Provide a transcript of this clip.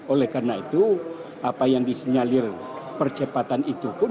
oleh karena itu apa yang disinyalir percepatan itu pun